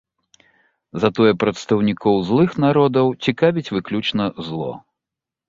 Затое прадстаўнікоў злых народаў цікавіць выключна зло.